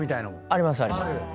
ありますあります。